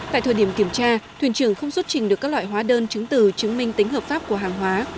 tại thời điểm kiểm tra thuyền trưởng không xuất trình được các loại hóa đơn chứng từ chứng minh tính hợp pháp của hàng hóa